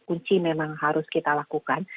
kunci memang harus kita lakukan